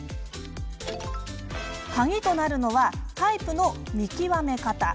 鍵となるのは、タイプの見極め方。